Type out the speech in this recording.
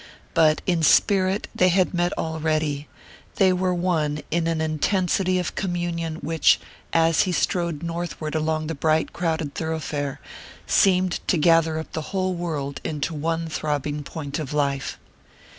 But in spirit they had met already they were one in an intensity of communion which, as he strode northward along the bright crowded thoroughfare, seemed to gather up the whole world into one throbbing point of life.